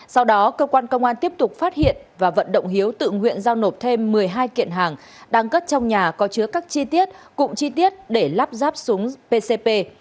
sau đó cơ quan công an tiếp tục phát hiện và vận động hiếu tự nguyện giao nộp thêm một mươi hai kiện hàng đang cất trong nhà có chứa các chi tiết cụm chi tiết để lắp ráp súng pcp